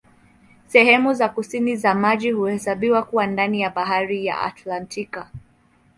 Sehemu za kusini za maji huhesabiwa kuwa ndani ya Bahari ya Antaktiki.